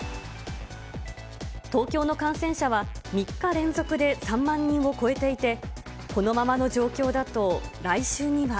東京の感染者は、３日連続で３万人を超えていて、このままの状況だと、来週には。